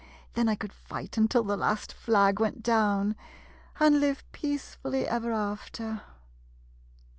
Then I could fight until the last flag went down, and live peacefully ever after.